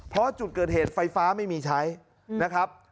เพราะจุดเกิดเหตุไฟฟ้าไม่มีใช้นะครับ